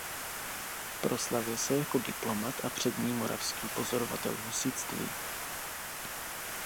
Proslavil se jako diplomat a přední moravský podporovatel husitství.